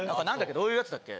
どういうやつだっけ？